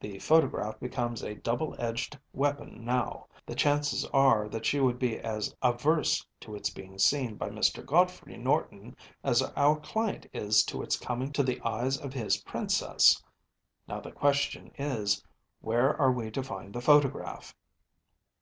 The photograph becomes a double edged weapon now. The chances are that she would be as averse to its being seen by Mr. Godfrey Norton, as our client is to its coming to the eyes of his princess. Now the question is, Where are we to find the photograph?